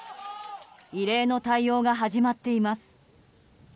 異例の対応が始まっています。